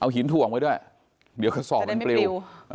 หินถ่วงไว้ด้วยเดี๋ยวกระสอบมันปลิว